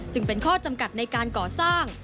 ซึ่งเป็นข้อจำกัดในการก่อสร้าง